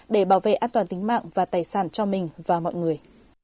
để bảo vệ an toàn tính mạng và tài sản cho mình và mọi người